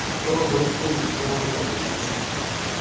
Pomboit koko njiriot neo kosir seset